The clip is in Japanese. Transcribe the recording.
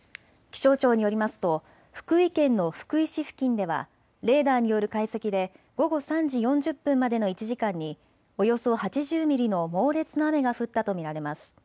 気象庁によりますと福井県の福井市付近ではレーダーによる解析で午後３時４０分までの１時間におよそ８０ミリの猛烈な雨が降ったと見られます。